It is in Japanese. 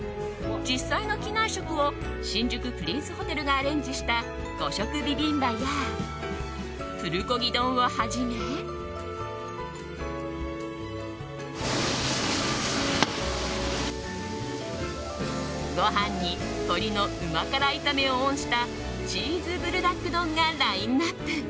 実際の機内食を新宿プリンスホテルがアレンジした五色ビビンバやプルコギ丼をはじめご飯に鶏のうま辛炒めをオンしたチーズブルダック丼がラインアップ。